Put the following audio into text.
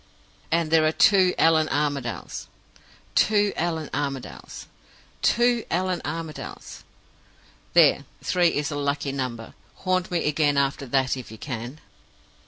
"And there are two Allan Armadales two Allan Armadales two Allan Armadales. There! three is a lucky number. Haunt me again, after that, if you can!